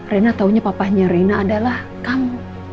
rena taunya papanya reina adalah kamu